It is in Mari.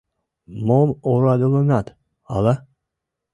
Мом орадыланат, ала?